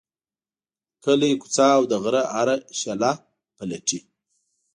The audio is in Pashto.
کلی، کوڅه او د غره هره شیله پلټي.